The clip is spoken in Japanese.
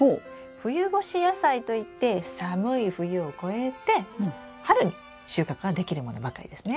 冬越し野菜といって寒い冬を越えて春に収穫ができるものばかりですね。